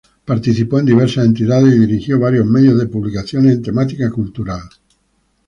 Participó en diversas entidades, y dirigió varios medios de publicaciones en temática cultural.